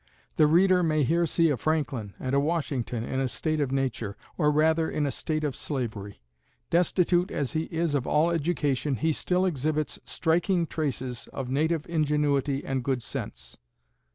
The reader may here see a Franklin and a Washington, in a state of nature, or rather, in a state of slavery. Destitute as he is of all education, he still exhibits striking traces of native ingenuity and good sense.